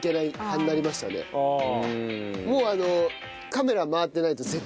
もうあの。